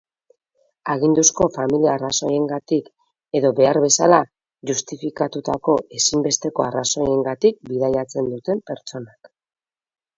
Aginduzko familia-arrazoiengatik edo behar bezala justifikatutako ezinbesteko arrazoiengatik bidaiatzen duten pertsonak.